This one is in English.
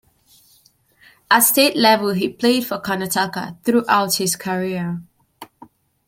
At state level he played for Karnataka throughout his career.